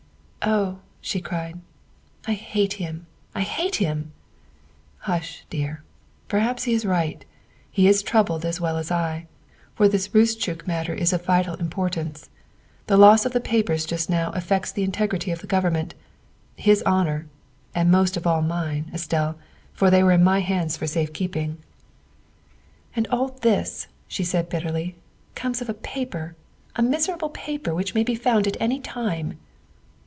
"Oh," she cried, " I hate him! I hate him!" " Hush, dear. Perhaps he is right. He is troubled as well as I, for this Roostchook matter is of vital im portance. The loss of the papers just now affects the integrity of the Government his honor, and most of all mine, Estelle, for they were in my hands for safekeep ing." THE SECRETARY OF STATE 229 "And all this," she said bitterly, " comes of a paper a miserable paper which may be found at any time."